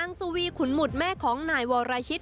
อังสุวีขุนหมุดแม่ของไหนวรชิต